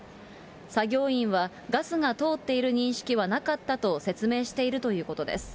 作業員はガスが通っている認識はなかったと説明しているということです。